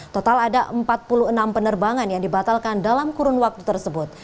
total ada empat puluh enam penerbangan yang dibatalkan dalam kurun waktu tersebut